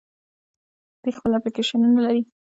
دوی خپل اپلیکیشنونه لري.